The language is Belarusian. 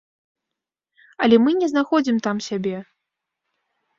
Але мы не знаходзім там сябе.